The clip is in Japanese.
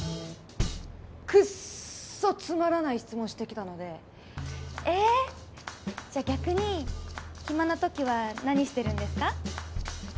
くっそつまらない質問してきたので「ええじゃあ逆に暇な時は何してるんですか？」。